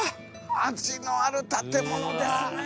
味のある建物ですね。